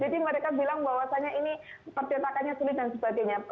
jadi mereka bilang bahwasannya ini pertentakannya sulit dan sebagainya